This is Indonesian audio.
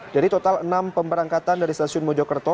dari total enam pemberangkatan dari stasiun mojokerto